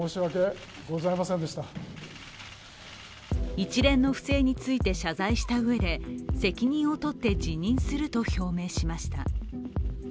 一連の不正について謝罪したうえで、責任を取って辞任すると表明しました。